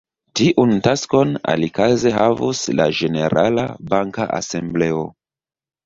Tiun taskon alikaze havus la ĝenerala banka asembleo.